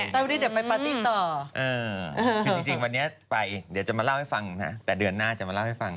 ตอนนี้เดี๋ยวไปปาร์ตี้ต่อคือจริงวันนี้ไปเดี๋ยวจะมาเล่าให้ฟังแต่เดือนหน้าจะมาเล่าให้ฟัง